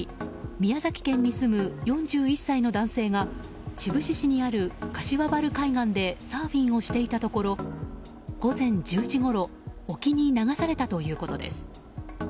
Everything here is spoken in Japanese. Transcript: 宮崎県に住む４１歳の男性が志布志市にある柏原海岸でサーフィンをしていたところ午前１０時ごろ沖に流されたということです。